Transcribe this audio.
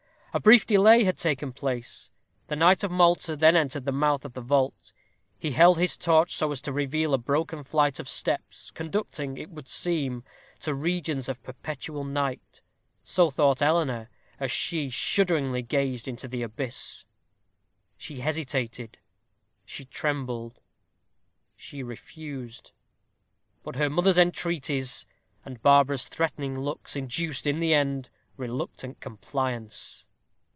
A brief delay had taken place. The knight of Malta then entered the mouth of the vault. He held his torch so as to reveal a broken flight of steps, conducting, it would seem, to regions of perpetual night. So thought Eleanor, as she shudderingly gazed into the abyss. She hesitated; she trembled; she refused. But her mother's entreaties, and Barbara's threatening looks, induced, in the end, reluctant compliance.